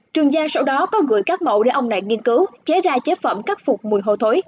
trường gia sau đó có gửi các mẫu để ông này nghiên cứu chế ra chế phẩm cắt phục mùi hôi thối